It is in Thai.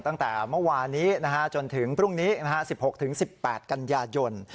ตั้งแต่เมื่อวานนี้จนถึงพรุ่งนี้๑๖๑๘กันยายน